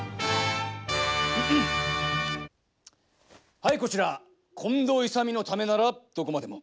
はいこちら近藤勇のためならどこまでも。